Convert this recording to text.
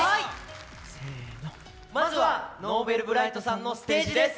せーの、まずはＮｏｖｅｌｂｒｉｇｈｔさんのステージです。